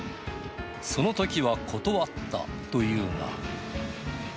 そのときは断ったというが。